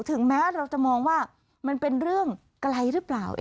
ถึงแม้เราจะมองว่ามันเป็นเรื่องไกลหรือเปล่า